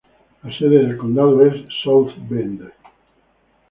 La sede de condado es South Bend.